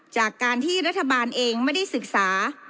จากการที่รัฐบาลเองไม่ได้ศึกษา